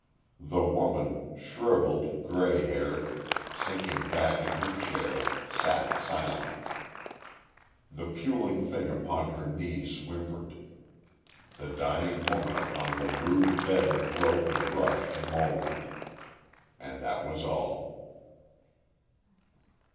The woman, shrivelled, gray haired, sinking back in her chair, sat silent. The puling thing upon her knees whimpered. The dying woman upon the rude bed of rope and rush moaned. And that was all.